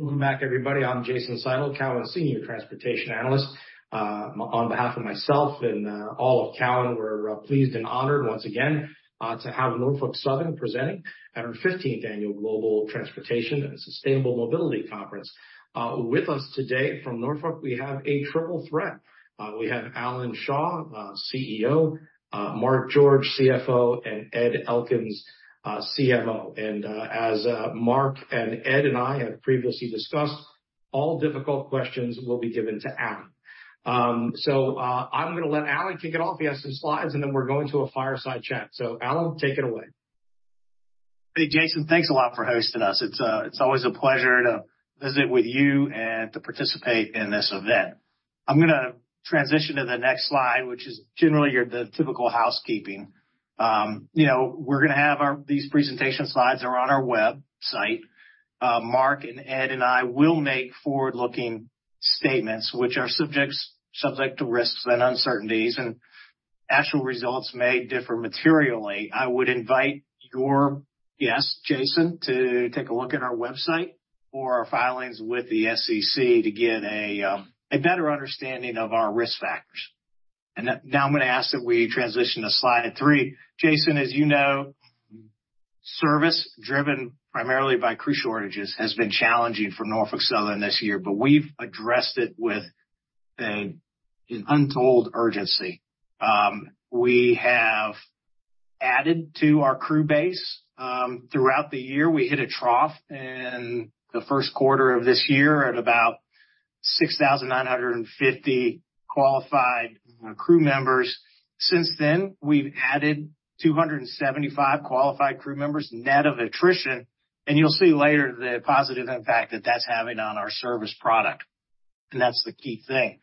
Welcome back, everybody. I'm Jason Seidl, Cowen Senior Transportation Analyst. On behalf of myself and all of Cowen, we're pleased and honored once again to have Norfolk Southern presenting at our 15th Annual Global Transportation and Sustainable Mobility Conference. With us today from Norfolk, we have a triple threat. We have Alan Shaw, CEO; Mark George, CFO; and Ed Elkins, CMO. As Mark and Ed and I have previously discussed, all difficult questions will be given to Alan. I'm going to let Alan kick it off. He has some slides, and then we're going to a fireside chat. Alan, take it away. Hey, Jason, thanks a lot for hosting us. It's always a pleasure to visit with you and to participate in this event. I'm going to transition to the next slide, which is generally the typical housekeeping. You know, we're going to have these presentation slides that are on our website. Mark and Ed and I will make forward-looking statements, which are subject to risks and uncertainties, and actual results may differ materially. I would invite your guest, Jason, to take a look at our website or our filings with the SEC to get a better understanding of our risk factors. Now I'm going to ask that we transition to slide three. Jason, as you know, service driven primarily by crew shortages has been challenging for Norfolk Southern this year, but we've addressed it with an untold urgency. We have added to our crew base throughout the year. We hit a trough in the first quarter of this year at about 6,950 qualified crew members. Since then, we've added 275 qualified crew members net of attrition. You'll see later the positive impact that that's having on our service product. That's the key thing.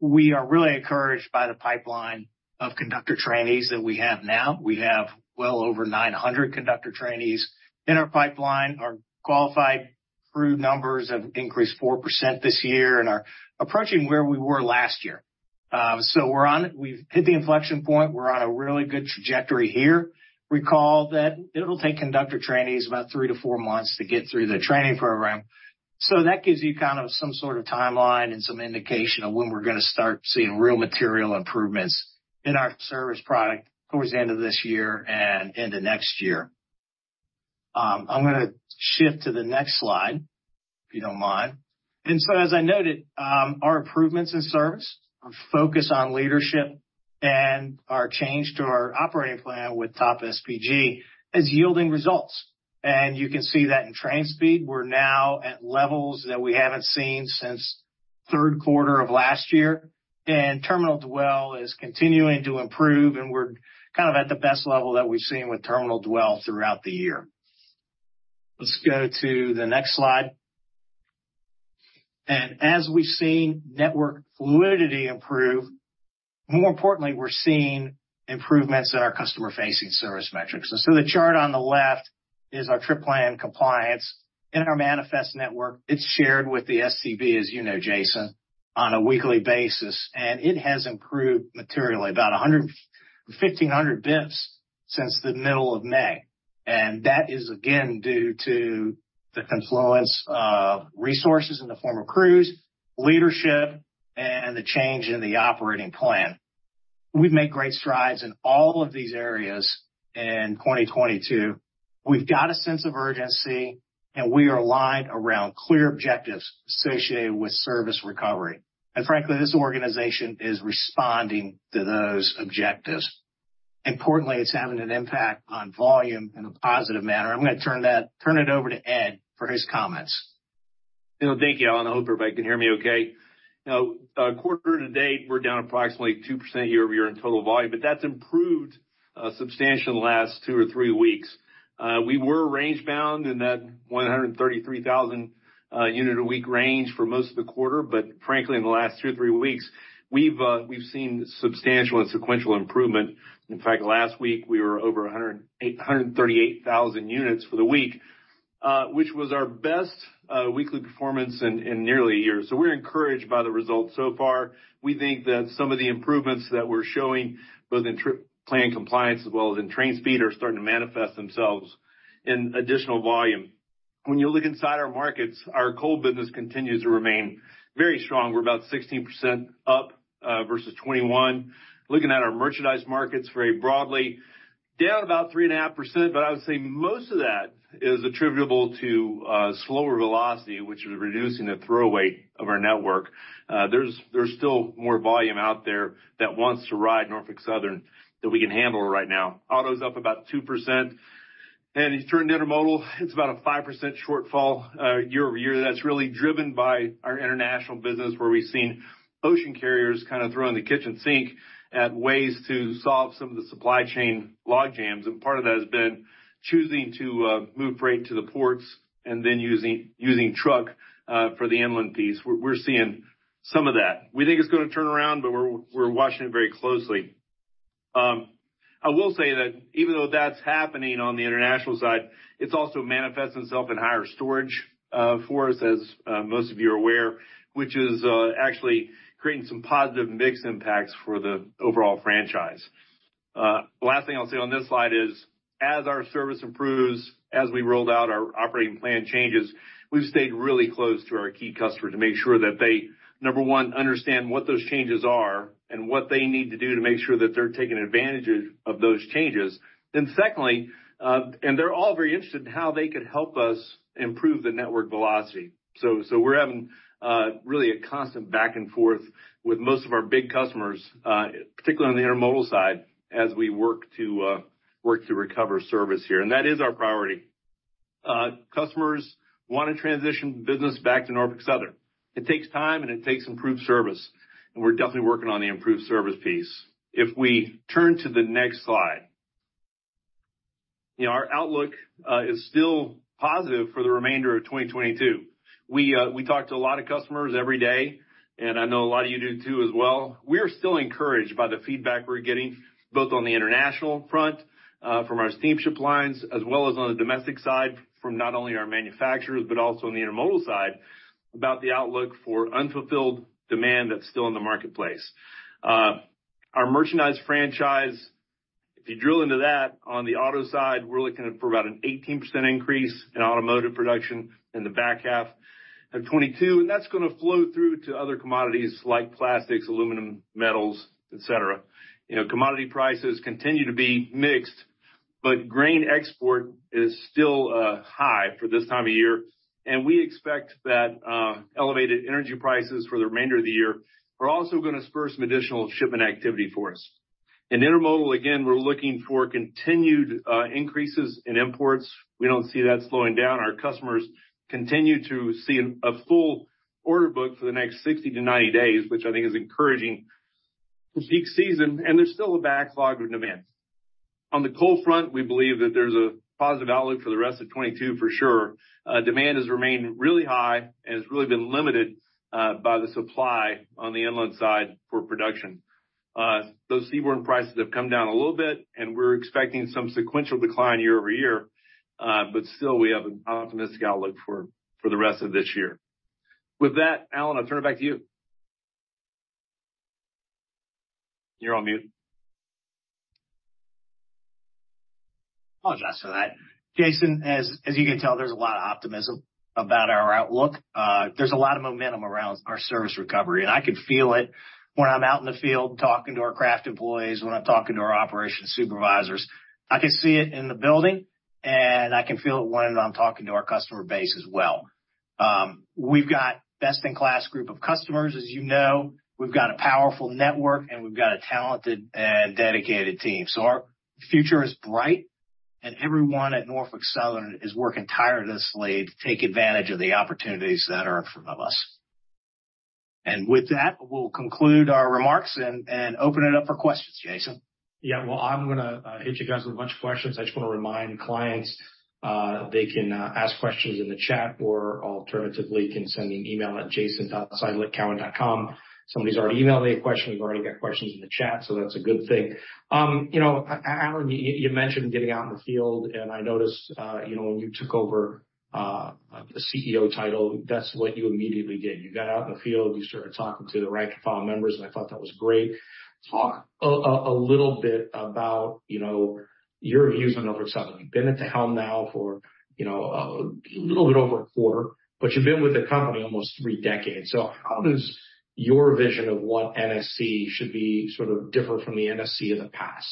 We are really encouraged by the pipeline of conductor trainees that we have now. We have well over 900 conductor trainees in our pipeline. Our qualified crew numbers have increased 4% this year and are approaching where we were last year. We've hit the inflection point. We're on a really good trajectory here. Recall that it'll take conductor trainees about three to four months to get through the training program. That gives you kind of some sort of timeline and some indication of when we're going to start seeing real material improvements in our service product towards the end of this year and into next year. I'm going to shift to the next slide, if you don't mind. As I noted, our improvements in service, our focus on leadership, and our change to our operating plan with Top SPG has yielded results. You can see that in train speed. We're now at levels that we haven't seen since the third quarter of last year. Terminal dwell is continuing to improve, and we're kind of at the best level that we've seen with terminal dwell throughout the year. Let's go to the next slide. As we've seen network fluidity improve, more importantly, we're seeing improvements in our customer-facing service metrics. The chart on the left is our trip plan compliance in our manifest network. It's shared with the STB, as you know, Jason, on a weekly basis. It has improved materially, about 1,500 basis points since the middle of May. That is, again, due to the confluence of resources in the form of crews, leadership, and the change in the operating plan. We've made great strides in all of these areas in 2022. We've got a sense of urgency, and we are aligned around clear objectives associated with service recovery. Frankly, this organization is responding to those objectives. Importantly, it's having an impact on volume in a positive manner. I'm going to turn it over to Ed for his comments. Thank you, Alan. I hope everybody can hear me okay. Now, quarter to date, we're down approximately 2% year-over-year in total volume, but that's improved substantially in the last two or three weeks. We were range-bound in that 133,000 unit-a-week range for most of the quarter, but frankly, in the last two or three weeks, we've seen substantial and sequential improvement. In fact, last week, we were over 138,000 units for the week, which was our best weekly performance in nearly a year. We are encouraged by the results so far. We think that some of the improvements that we're showing, both in trip plan compliance as well as in train speed, are starting to manifest themselves in additional volume. When you look inside our markets, our coal business continues to remain very strong. We're about 16% up versus 21%. Looking at our merchandise markets very broadly, down about 3.5%, but I would say most of that is attributable to slower velocity, which is reducing the throughput of our network. There is still more volume out there that wants to ride Norfolk Southern that we can handle right now. Auto's up about 2%. In terms of intermodal, it is about a 5% shortfall year-over-year. That is really driven by our international business, where we have seen ocean carriers kind of throwing the kitchen sink at ways to solve some of the supply chain logjams. Part of that has been choosing to move freight to the ports and then using truck for the inland piece. We are seeing some of that. We think it is going to turn around, but we are watching it very closely. I will say that even though that's happening on the international side, it's also manifesting itself in higher storage for us, as most of you are aware, which is actually creating some positive mix impacts for the overall franchise. The last thing I'll say on this slide is, as our service improves, as we rolled out our operating plan changes, we've stayed really close to our key customer to make sure that they, number one, understand what those changes are and what they need to do to make sure that they're taking advantage of those changes. Secondly, they're all very interested in how they could help us improve the network velocity. We are having really a constant back and forth with most of our big customers, particularly on the intermodal side, as we work to recover service here. That is our priority. Customers want to transition business back to Norfolk Southern. It takes time, and it takes improved service. We are definitely working on the improved service piece. If we turn to the next slide, our outlook is still positive for the remainder of 2022. We talk to a lot of customers every day, and I know a lot of you do too as well. We are still encouraged by the feedback we are getting both on the international front from our steamship lines as well as on the domestic side from not only our manufacturers, but also on the intermodal side about the outlook for unfulfilled demand that is still in the marketplace. Our merchandise franchise, if you drill into that, on the auto side, we are looking for about an 18% increase in automotive production in the back half of 2022. That is going to flow through to other commodities like plastics, aluminum, metals, etc. Commodity prices continue to be mixed, but grain export is still high for this time of year. We expect that elevated energy prices for the remainder of the year are also going to spur some additional shipment activity for us. In intermodal, again, we are looking for continued increases in imports. We do not see that slowing down. Our customers continue to see a full order book for the next 60-90 days, which I think is encouraging for peak season. There is still a backlog of demand. On the cold front, we believe that there is a positive outlook for the rest of 2022 for sure. Demand has remained really high and has really been limited by the supply on the inland side for production. Those seaborn prices have come down a little bit, and we're expecting some sequential decline year-over-year. Still, we have an optimistic outlook for the rest of this year. With that, Alan, I'll turn it back to you. You're on mute. Apologize for that. Jason, as you can tell, there's a lot of optimism about our outlook. There's a lot of momentum around our service recovery. I can feel it when I'm out in the field talking to our craft employees, when I'm talking to our operations supervisors. I can see it in the building, and I can feel it when I'm talking to our customer base as well. We've got a best-in-class group of customers, as you know. We've got a powerful network, and we've got a talented and dedicated team. Our future is bright, and everyone at Norfolk Southern is working tirelessly to take advantage of the opportunities that are in front of us. With that, we'll conclude our remarks and open it up for questions, Jason. Yeah, I am going to hit you guys with a bunch of questions. I just want to remind clients they can ask questions in the chat or alternatively can send an email at jason.seidl@cowen.com. Somebody's already emailed me a question. We've already got questions in the chat, so that's a good thing. Alan, you mentioned getting out in the field, and I noticed when you took over the CEO title, that's what you immediately did. You got out in the field. You started talking to the rank-and-file members, and I thought that was great. Talk a little bit about your views on Norfolk Southern. You've been at the helm now for a little bit over a quarter, but you've been with the company almost three decades. How does your vision of what NSC should be sort of differ from the NSC of the past?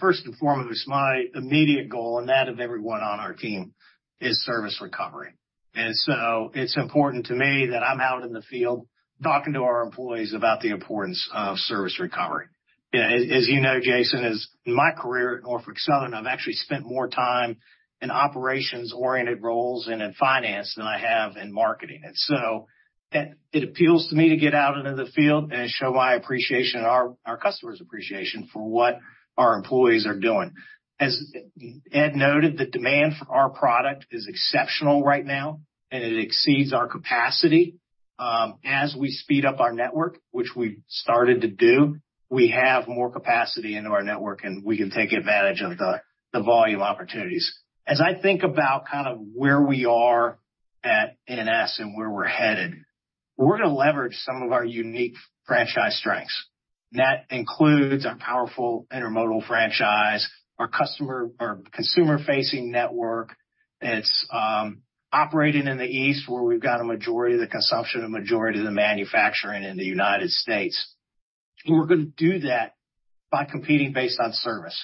First and foremost, my immediate goal, and that of everyone on our team, is service recovery. It is important to me that I'm out in the field talking to our employees about the importance of service recovery. As you know, Jason, in my career at Norfolk Southern, I've actually spent more time in operations-oriented roles and in finance than I have in marketing. It appeals to me to get out into the field and show my appreciation and our customers' appreciation for what our employees are doing. As Ed noted, the demand for our product is exceptional right now, and it exceeds our capacity. As we speed up our network, which we've started to do, we have more capacity into our network, and we can take advantage of the volume opportunities. As I think about kind of where we are at NS and where we're headed, we're going to leverage some of our unique franchise strengths. That includes our powerful intermodal franchise, our consumer-facing network. It's operating in the east, where we've got a majority of the consumption and majority of the manufacturing in the United States. We are going to do that by competing based on service.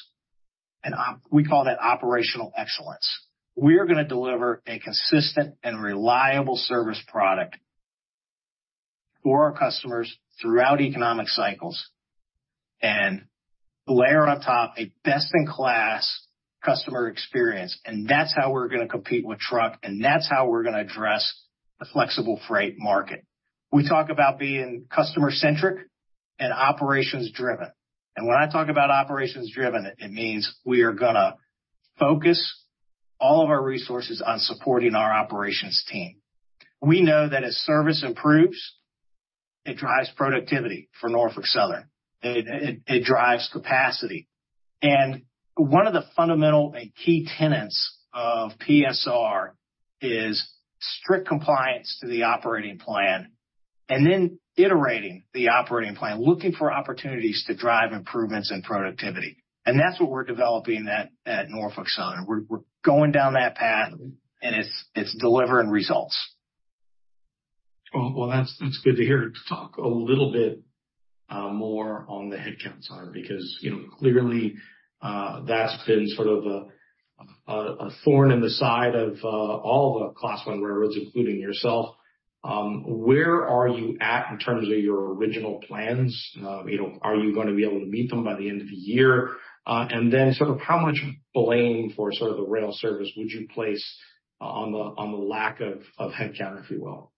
We call that operational excellence. We are going to deliver a consistent and reliable service product for our customers throughout economic cycles and layer on top a best-in-class customer experience. That's how we're going to compete with truck, and that's how we're going to address the flexible freight market. We talk about being customer-centric and operations-driven. When I talk about operations-driven, it means we are going to focus all of our resources on supporting our operations team. We know that as service improves, it drives productivity for Norfolk Southern. It drives capacity. One of the fundamental and key tenets of PSR is strict compliance to the operating plan and then iterating the operating plan, looking for opportunities to drive improvements in productivity. That is what we are developing at Norfolk Southern. We are going down that path, and it is delivering results. That's good to hear. Talk a little bit more on the headcount side because clearly, that's been sort of a thorn in the side of all the Class I railroads, including yourself. Where are you at in terms of your original plans? Are you going to be able to meet them by the end of the year? And then sort of how much blame for sort of the rail service would you place on the lack of headcount, if you will?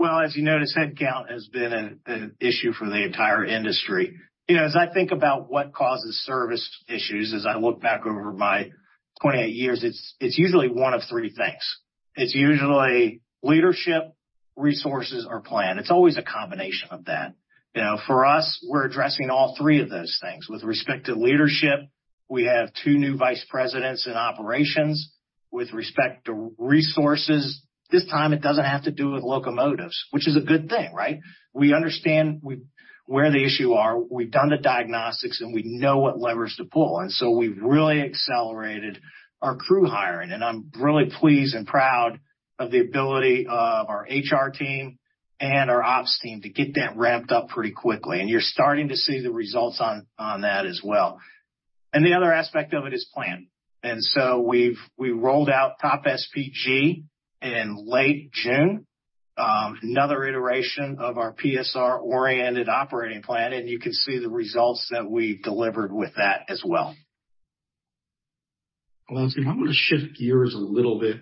As you notice, headcount has been an issue for the entire industry. As I think about what causes service issues, as I look back over my 28 years, it's usually one of three things. It's usually leadership, resources, or plan. It's always a combination of that. For us, we're addressing all three of those things. With respect to leadership, we have two new vice presidents in operations. With respect to resources, this time, it doesn't have to do with locomotives, which is a good thing, right? We understand where the issues are. We've done the diagnostics, and we know what levers to pull. We've really accelerated our crew hiring. I'm really pleased and proud of the ability of our HR team and our ops team to get that ramped up pretty quickly. You're starting to see the results on that as well. The other aspect of it is plan. We rolled out Top SPG in late June, another iteration of our PSR-oriented operating plan. You can see the results that we have delivered with that as well. Jason, I'm going to shift gears a little bit.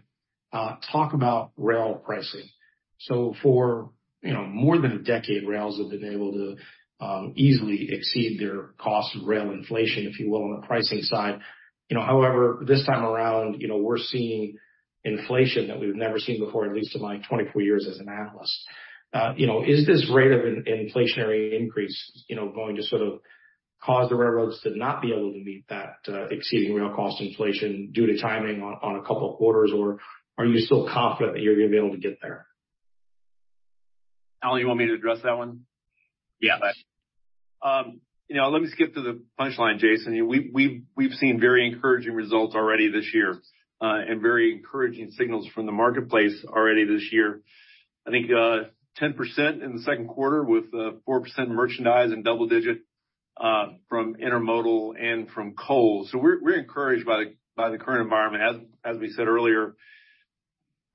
Talk about rail pricing. For more than a decade, rails have been able to easily exceed their cost of rail inflation, if you will, on the pricing side. However, this time around, we're seeing inflation that we've never seen before, at least in my 24 years as an analyst. Is this rate of inflationary increase going to sort of cause the railroads to not be able to meet that exceeding rail cost inflation due to timing on a couple of quarters, or are you still confident that you're going to be able to get there? Alan, you want me to address that one? Yeah. Let me skip to the punchline, Jason. We've seen very encouraging results already this year and very encouraging signals from the marketplace already this year. I think 10% in the second quarter with 4% merchandise and double-digit from intermodal and from coal. We are encouraged by the current environment. As we said earlier,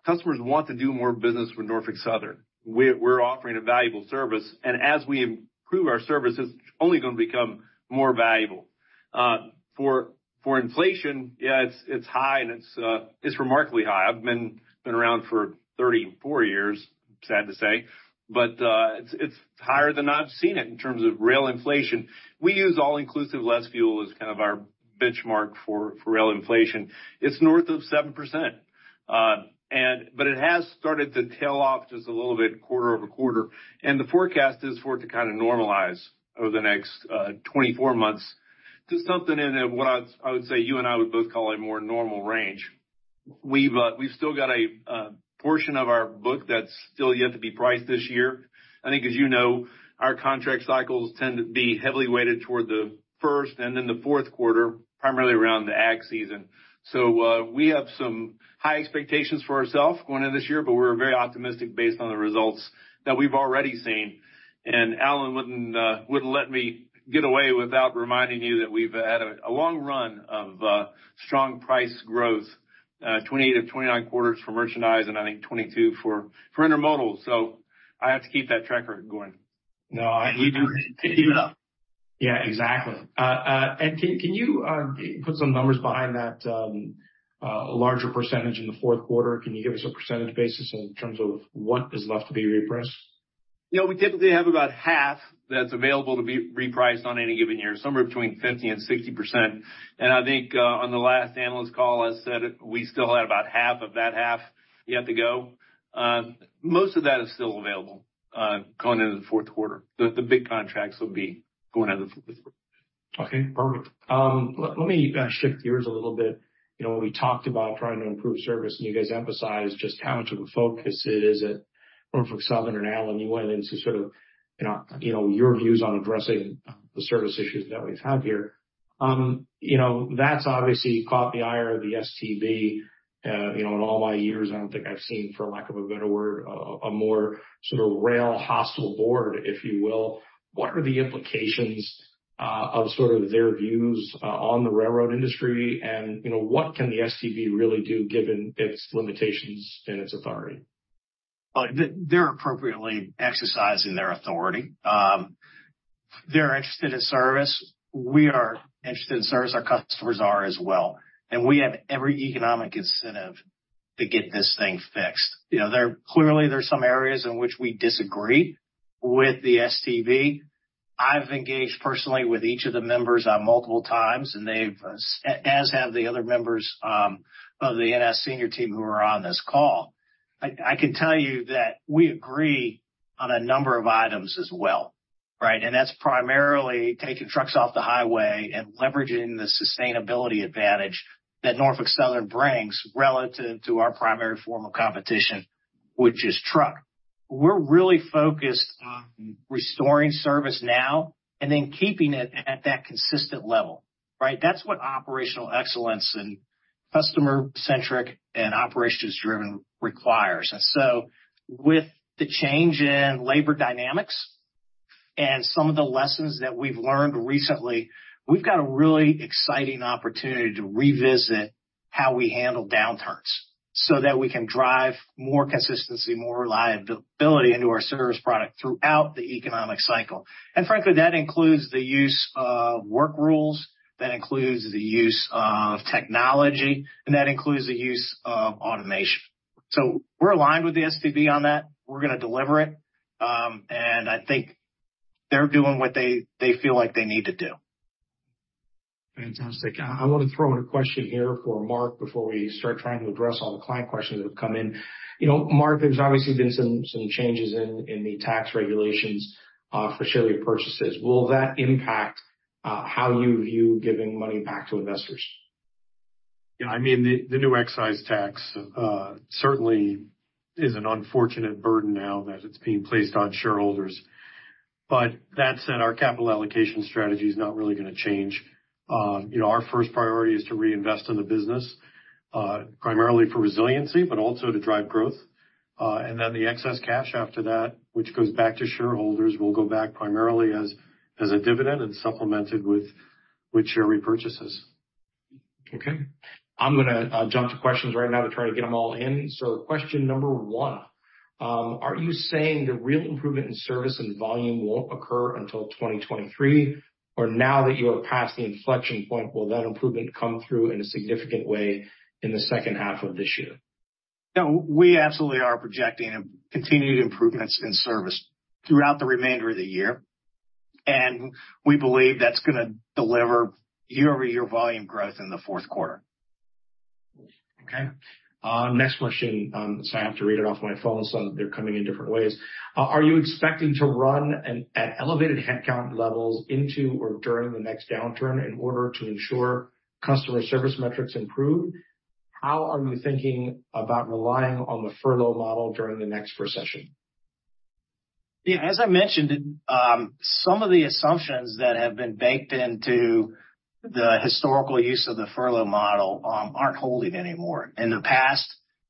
customers want to do more business with Norfolk Southern. We are offering a valuable service. As we improve our services, it is only going to become more valuable. For inflation, yeah, it is high, and it is remarkably high. I have been around for 34 years, sad to say, but it is higher than I have seen it in terms of rail inflation. We use all-inclusive less fuel as kind of our benchmark for rail inflation. It is north of 7%. It has started to tail off just a little bit quarter over quarter. The forecast is for it to kind of normalize over the next 24 months to something in what I would say you and I would both call a more normal range. We've still got a portion of our book that's still yet to be priced this year. I think, as you know, our contract cycles tend to be heavily weighted toward the first and then the fourth quarter, primarily around the ag season. We have some high expectations for ourselves going into this year, but we're very optimistic based on the results that we've already seen. Alan wouldn't let me get away without reminding you that we've had a long run of strong price growth, 28 of 29 quarters for merchandise, and I think 22 for intermodal. I have to keep that tracker going. No, you do. Yeah, exactly. Can you put some numbers behind that larger percentage in the fourth quarter? Can you give us a percentage basis in terms of what is left to be repriced? We typically have about half that's available to be repriced on any given year, somewhere between 50-60%. I think on the last analyst call, I said we still had about half of that half yet to go. Most of that is still available going into the fourth quarter. The big contracts will be going into the fourth quarter. Okay. Perfect. Let me shift gears a little bit. We talked about trying to improve service, and you guys emphasized just how much of a focus it is at Norfolk Southern. And Alan, you went into sort of your views on addressing the service issues that we've had here. That's obviously caught the eye of the STB. In all my years, I don't think I've seen, for lack of a better word, a more sort of rail hostile board, if you will. What are the implications of sort of their views on the railroad industry? And what can the STB really do given its limitations and its authority? They're appropriately exercising their authority. They're interested in service. We are interested in service. Our customers are as well. We have every economic incentive to get this thing fixed. Clearly, there are some areas in which we disagree with the STB. I've engaged personally with each of the members multiple times, as have the other members of the NS senior team who are on this call. I can tell you that we agree on a number of items as well, right? That's primarily taking trucks off the highway and leveraging the sustainability advantage that Norfolk Southern brings relative to our primary form of competition, which is truck. We're really focused on restoring service now and then keeping it at that consistent level, right? That's what operational excellence and customer-centric and operations-driven requires. With the change in labor dynamics and some of the lessons that we've learned recently, we've got a really exciting opportunity to revisit how we handle downturns so that we can drive more consistency, more reliability into our service product throughout the economic cycle. Frankly, that includes the use of work rules. That includes the use of technology, and that includes the use of automation. We are aligned with the STB on that. We are going to deliver it. I think they are doing what they feel like they need to do. Fantastic. I want to throw in a question here for Mark before we start trying to address all the client questions that have come in. Mark, there's obviously been some changes in the tax regulations for share purchases. Will that impact how you view giving money back to investors? Yeah. I mean, the new excise tax certainly is an unfortunate burden now that it's being placed on shareholders. That said, our capital allocation strategy is not really going to change. Our first priority is to reinvest in the business primarily for resiliency, but also to drive growth. Then the excess cash after that, which goes back to shareholders, will go back primarily as a dividend and supplemented with share repurchases. Okay. I'm going to jump to questions right now to try to get them all in. Question number one, are you saying the real improvement in service and volume won't occur until 2023? Or now that you are past the inflection point, will that improvement come through in a significant way in the second half of this year? No, we absolutely are projecting continued improvements in service throughout the remainder of the year. We believe that's going to deliver year-over-year volume growth in the fourth quarter. Okay. Next question. I have to read it off my phone because they're coming in different ways. Are you expecting to run at elevated headcount levels into or during the next downturn in order to ensure customer service metrics improve? How are you thinking about relying on the furlough model during the next recession? Yeah. As I mentioned, some of the assumptions that have been baked into the historical use of the furlough model are not holding anymore. In the past,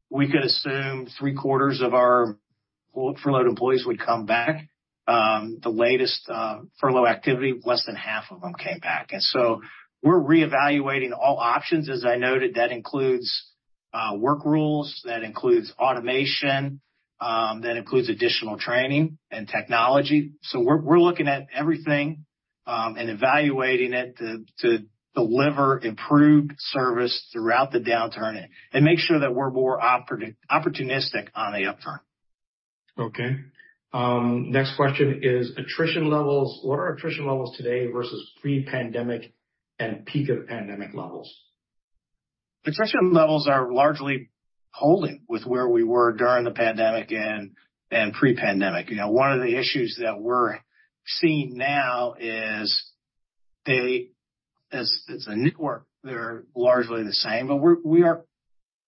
we could assume three-quarters of our furloughed employees would come back. The latest furlough activity, less than half of them came back. We are reevaluating all options, as I noted. That includes work rules. That includes automation. That includes additional training and technology. We are looking at everything and evaluating it to deliver improved service throughout the downturn and make sure that we are more opportunistic on the upturn. Okay. Next question is attrition levels. What are attrition levels today versus pre-pandemic and peak of pandemic levels? Attrition levels are largely holding with where we were during the pandemic and pre-pandemic. One of the issues that we're seeing now is it's a network. They're largely the same, but we are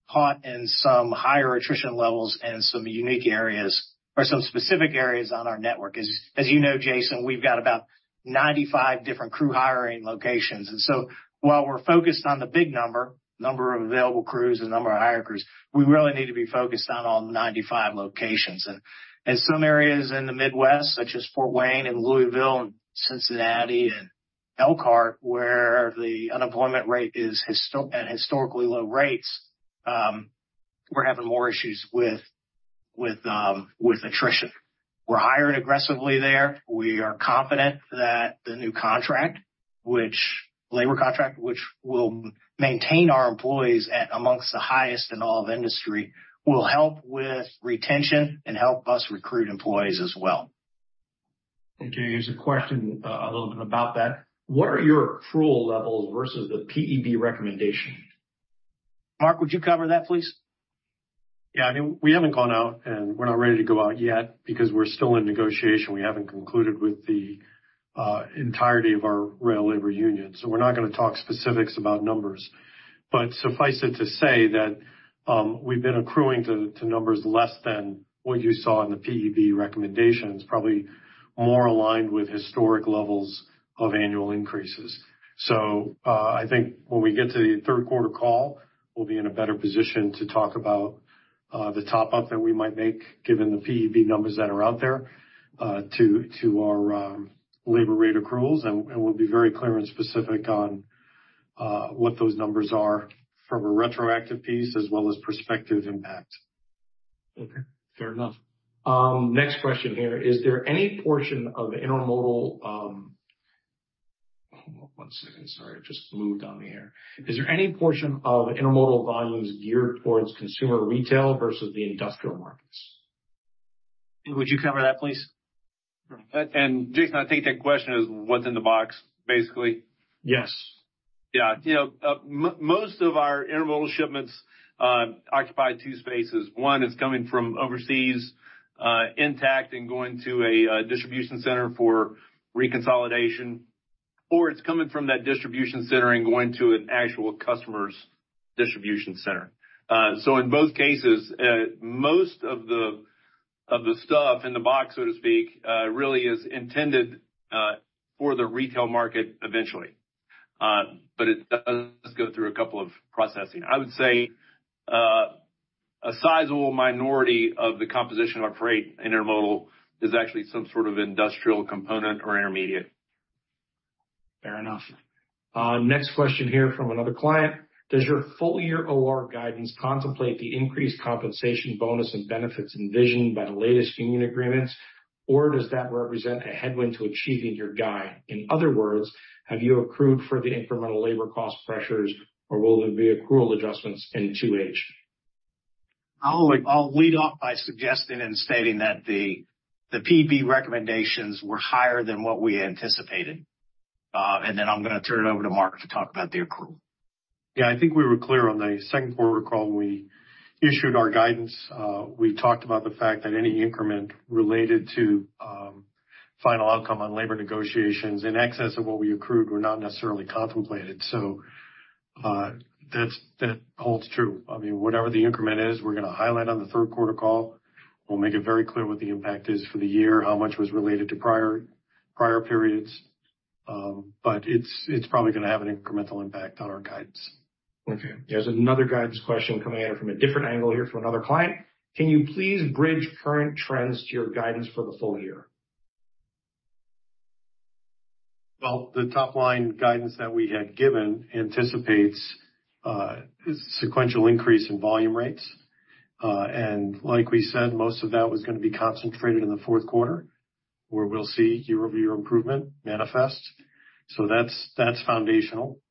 caught in some higher attrition levels in some unique areas or some specific areas on our network. As you know, Jason, we've got about 95 different crew hiring locations. While we're focused on the big number, number of available crews and number of hire crews, we really need to be focused on all 95 locations. Some areas in the Midwest, such as Fort Wayne and Louisville and Cincinnati and Elkhart, where the unemployment rate is at historically low rates, we're having more issues with attrition. We're hiring aggressively there. We are confident that the new labor contract, which will maintain our employees amongst the highest in all of industry, will help with retention and help us recruit employees as well. Okay. Here's a question a little bit about that. What are your accrual levels versus the PEB recommendation? Mark, would you cover that, please? Yeah. I mean, we haven't gone out, and we're not ready to go out yet because we're still in negotiation. We haven't concluded with the entirety of our rail labor union. We're not going to talk specifics about numbers. Suffice it to say that we've been accruing to numbers less than what you saw in the PEB recommendations, probably more aligned with historic levels of annual increases. I think when we get to the third quarter call, we'll be in a better position to talk about the top-up that we might make given the PEB numbers that are out there to our labor rate accruals. We'll be very clear and specific on what those numbers are from a retroactive piece as well as prospective impact. Okay. Fair enough. Next question here. Is there any portion of the intermodal—hold on one second. Sorry. It just moved on me here. Is there any portion of intermodal volumes geared towards consumer retail versus the industrial markets? Would you cover that, please? Jason, I think that question is what's in the box, basically? Yes. Yeah. Most of our intermodal shipments occupy two spaces. One, it's coming from overseas intact and going to a distribution center for reconsolidation, or it's coming from that distribution center and going to an actual customer's distribution center. In both cases, most of the stuff in the box, so to speak, really is intended for the retail market eventually, but it does go through a couple of processing. I would say a sizable minority of the composition of our freight intermodal is actually some sort of industrial component or intermediate. Fair enough. Next question here from another client. Does your full-year OR guidance contemplate the increased compensation bonus and benefits envisioned by the latest union agreements, or does that represent a headwind to achieving your guide? In other words, have you accrued for the incremental labor cost pressures, or will there be accrual adjustments in 2H? I'll lead off by suggesting and stating that the PEB recommendations were higher than what we anticipated. I am going to turn it over to Mark to talk about the accrual. Yeah. I think we were clear on the second quarter call when we issued our guidance. We talked about the fact that any increment related to final outcome on labor negotiations and excess of what we accrued were not necessarily contemplated. That holds true. I mean, whatever the increment is, we're going to highlight on the third quarter call. We'll make it very clear what the impact is for the year, how much was related to prior periods. It's probably going to have an incremental impact on our guidance. Okay. There's another guidance question coming in from a different angle here from another client. Can you please bridge current trends to your guidance for the full year? The top-line guidance that we had given anticipates sequential increase in volume rates. Like we said, most of that was going to be concentrated in the fourth quarter, where we'll see year-over-year improvement manifest. That is foundational.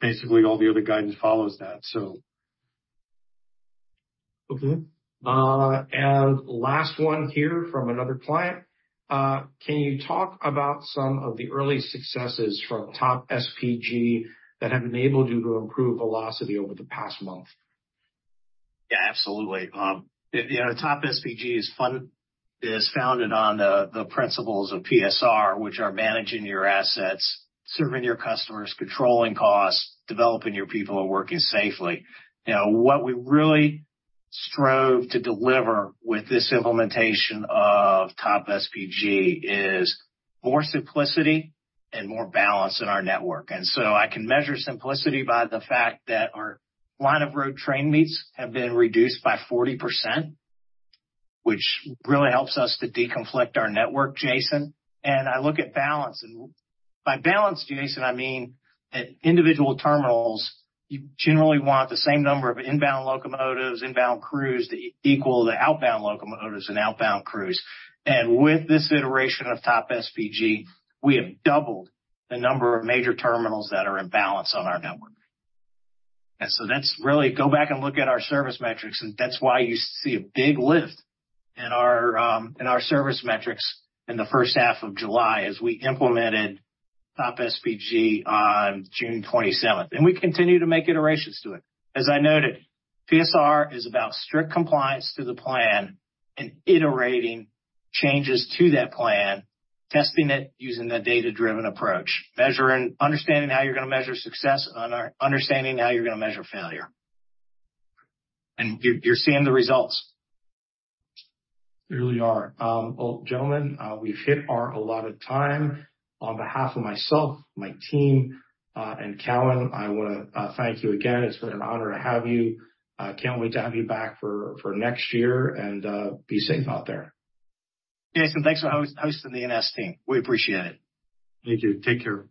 Basically, all the other guidance follows that. Okay. Last one here from another client. Can you talk about some of the early successes from Top SPG that have enabled you to improve velocity over the past month? Yeah, absolutely. Top SPG is founded on the principles of PSR, which are managing your assets, serving your customers, controlling costs, developing your people, and working safely. What we really strove to deliver with this implementation of Top SPG is more simplicity and more balance in our network. I can measure simplicity by the fact that our line-of-road train meets have been reduced by 40%, which really helps us to deconflict our network, Jason. I look at balance. By balance, Jason, I mean that individual terminals, you generally want the same number of inbound locomotives, inbound crews that equal the outbound locomotives and outbound crews. With this iteration of Top SPG, we have doubled the number of major terminals that are in balance on our network. That is really go back and look at our service metrics. You see a big lift in our service metrics in the first half of July as we implemented Top SPG on June 27. We continue to make iterations to it. As I noted, PSR is about strict compliance to the plan and iterating changes to that plan, testing it using the data-driven approach, understanding how you're going to measure success, and understanding how you're going to measure failure. You are seeing the results. Clearly are. Gentlemen, we've hit our allotted time. On behalf of myself, my team, and Cowen, I want to thank you again. It's been an honor to have you. Can't wait to have you back for next year and be safe out there. Jason, thanks for hosting the NS team. We appreciate it. Thank you. Take care.